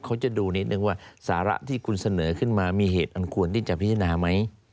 เขาจะดูนิดนึงว่าสาระที่คุณเสนอขึ้นมามีเหตุอันควรที่จะพิจารณาไหม